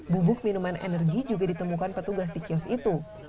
bubuk minuman energi juga ditemukan petugas di kios itu